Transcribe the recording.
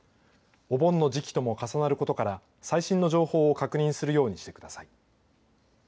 お盆の時期とも重なることから最新の情報を確認するようにしてください。